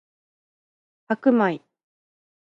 白米